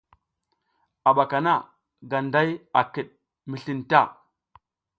A ɓaka na Ganday a kiɗ mi slin ta.